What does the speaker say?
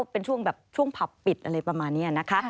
เป็นช่วงแบบช่วงผับปิดอะไรประมาณนี้นะคะ